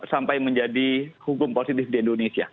sampai menjadi hukum positif di indonesia